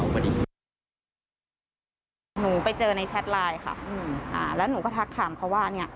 ผมก็ถามเขาว่า